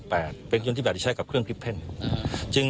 เป็นเครื่องยนต์ที่ใช้กับเครื่องคลิปเพ่น